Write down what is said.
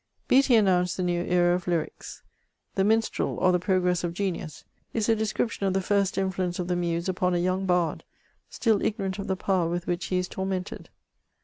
Beattie announced the new era of lyrics. '* The Minstzel, or the Progress of Genius," is a description of the first influ ence of the Muse upon a young bard, still ignorant of the power with which he is tormented.